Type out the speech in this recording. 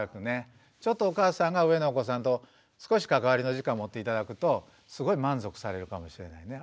ちょっとお母さんが上のお子さんと少し関わりの時間持って頂くとすごい満足されるかもしれないね。